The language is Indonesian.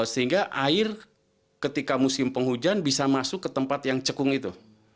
sehingga air ketika musim penghujan bisa masuk ke tempat yang cekung itu